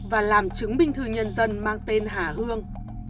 và làm chứng minh thư nhân dân mang tên hà hương